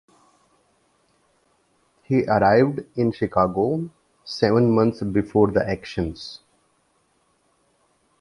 He arrived in Chicago seven months before the actions.